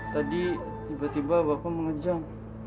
tadi tiba tiba bapak mengejang